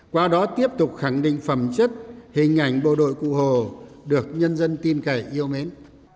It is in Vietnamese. qua đó tiếp tục khẳng định phẩm chất hình ảnh bộ đội cụ hồ được nhân dân tin cậy yêu mến